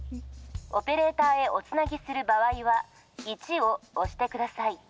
オペレーターへおつなぎする場合は「１」を押してください。